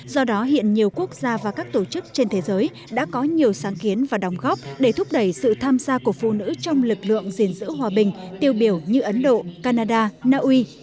do đó hiện nhiều quốc gia và các tổ chức trên thế giới đã có nhiều sáng kiến và đồng góp để thúc đẩy sự tham gia của phụ nữ trong lực lượng gìn giữ hòa bình tiêu biểu như ấn độ canada naui